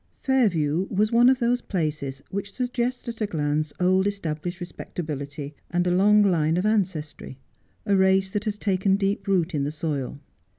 Fairview was one of those places which suggest at a glance old established respectability and a long line of ancestry, a race that has taken deep root in the soil.